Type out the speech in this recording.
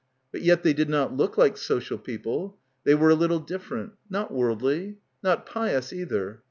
But yet they did not look like 'social' people. They were a little different. Not worldly. Not pious either.